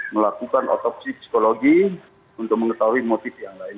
melakukan otopsi psikologi untuk mengetahui motif yang lain